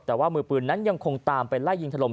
แต่ว่ามือปืนนั้นยังคงตามไปไล่ยิงถล่ม